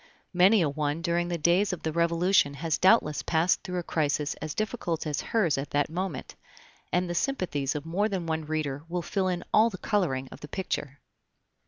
Many a one during the days of the Revolution has doubtless passed through a crisis as difficult as hers at that moment, and the sympathies of more than one reader will fill in all the coloring of the picture.